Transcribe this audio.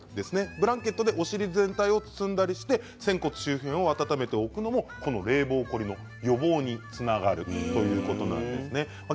ブランケットでお尻全体を包んだりして仙骨周辺を温めておくのも冷房凝りの予防につながるということです。